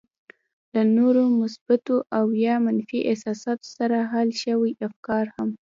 له نورو مثبتو او يا منفي احساساتو سره حل شوي افکار هم.